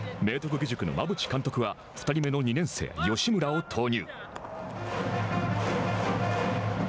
義塾の馬淵監督は２人目の２年生吉村を投入。